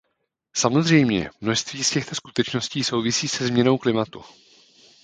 Samozřejmě, množství z těchto skutečností souvisí se změnou klimatu.